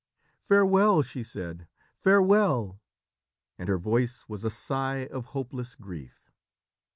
"Farewell!" she said "Farewell!" and her voice was a sigh of hopeless grief.